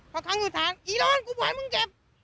พอค้างอยู่ทางไอ้โร๊ดกูบ่ายมึงเก็บ